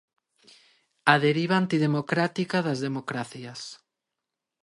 A deriva antidemocrática das democracias.